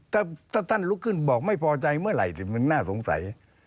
ถ้าท่านลุกขึ้นบอกไม่พอใจเมื่อไหร่มันน่าสงสัย